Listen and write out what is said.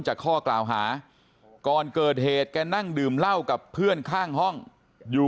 ข้อกล่าวหาก่อนเกิดเหตุแกนั่งดื่มเหล้ากับเพื่อนข้างห้องอยู่